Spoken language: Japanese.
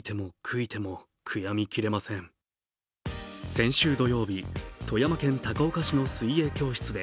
先週土曜日、富山県高岡市の水泳教室で